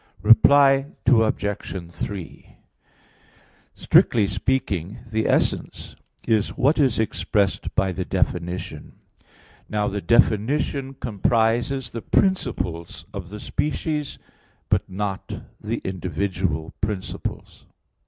Reply Obj. 3: Strictly speaking, the essence is what is expressed by the definition. Now, the definition comprises the principles of the species, but not the individual principles.